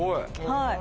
はい。